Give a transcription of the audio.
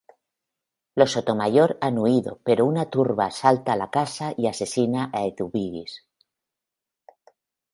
Los Sotomayor han huido pero una turba asalta la casa y asesina a Eduvigis.